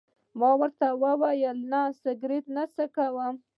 ما ورته وویل: نه، سګرېټ نه څکوم.